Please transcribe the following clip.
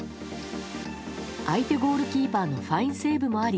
相手ゴールキーパーのファインセーブもあり